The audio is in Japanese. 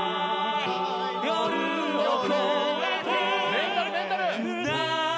・メンタルメンタル！